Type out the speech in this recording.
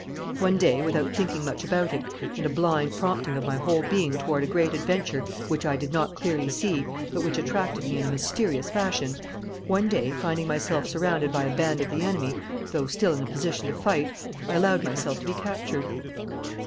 "One day, without thinking much about it, in a blind prompting of my whole being toward a great adventure which I did not clearly see, but which attracted me in a mysterious fashion, one day, finding myself surrounded by a band of the enemy, though still in a position to fight, I allowed myself to be captured.